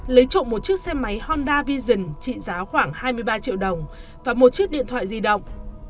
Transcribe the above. lấy trộm một chiếc xe máy honda vision trị giá khoảng hai mươi ba triệu đồng và một chiếc điện thoại di động